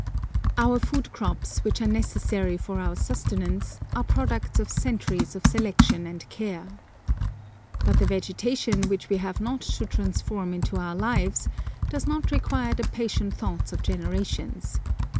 Our food crops, which are necessary for our sustenance, are products of centuries of selection and care. But the vegetation, which we have not to transform into our lives, does not require the patient thoughts of generations.